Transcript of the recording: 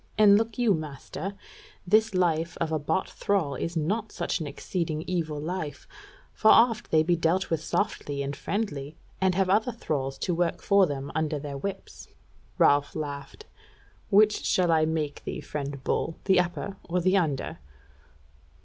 And look you, master, this life of a bought thrall is not such an exceeding evil life; for oft they be dealt with softly and friendly, and have other thralls to work for them under their whips." Ralph laughed: "Which shall I make thee, friend Bull, the upper or the under?"